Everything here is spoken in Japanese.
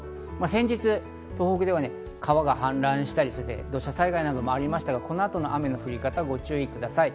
先日、東北では川が氾濫したり土砂災害などもありましたが、この後の雨の降り方にご注意ください。